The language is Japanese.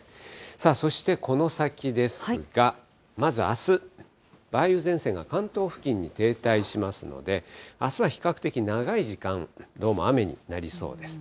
そしてこの先ですが、まずあす、梅雨前線が関東付近に停滞しますので、あすは比較的長い時間、どうも雨になりそうです。